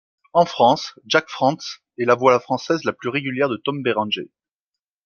En France, Jacques Frantz est la voix française la plus régulière de Tom Berenger.